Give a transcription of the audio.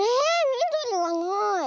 みどりがない。